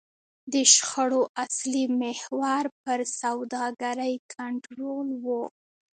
د شخړو اصلي محور پر سوداګرۍ کنټرول و.